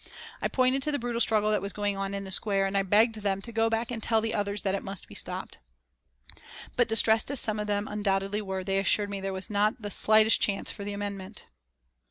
I pointed to the brutal struggle that was going on in the square, and I begged them to go back and tell the others that it must be stopped. But, distressed as some of them undoubtedly were, they assured me that there was not the slightest chance for the amendment.